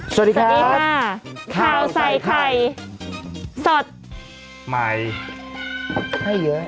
สวัสดีครับสวัสดีค่ะข้าวใส่ไข่สดใหม่ให้เยอะ